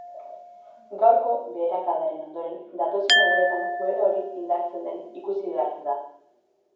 Gaurko beherakadaren ondoren, datozen egunetan joera hori indartzen den ikusi beharko da.